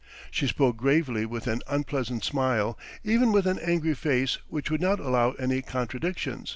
She spoke gravely with an unpleasant smile, even with an angry face which would not allow any contradiction.